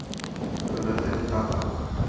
可能才能達到